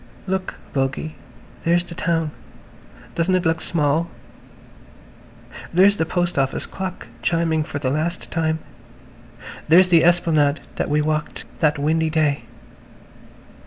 "Look, Bogey, there's the town. Doesn't it look small? There's the post office clock chiming for the last time. There's the esplanade where we walked that windy day.